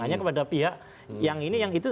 hanya kepada pihak yang ini